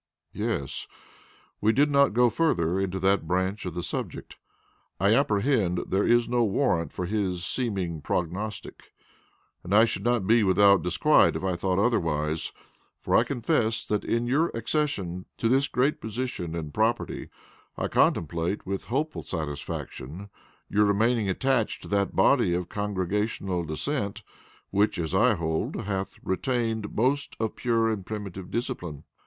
"Yes, we did not go further into that branch of the subject. I apprehend there is no warrant for his seeming prognostic, and I should not be without disquiet if I thought otherwise. For I confess that in your accession to this great position and property, I contemplate with hopeful satisfaction your remaining attached to that body of congregational Dissent, which, as I hold, hath retained most of pure and primitive discipline.